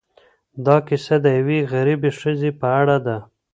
دا کيسه د یوې غریبې ښځې په اړه ده.